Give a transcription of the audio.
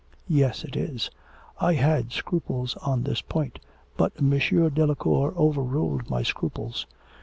'Yes, it is. I had scruples on this point, but M. Delacour overruled my scruples.